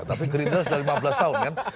tapi gerindra sudah lima belas tahun kan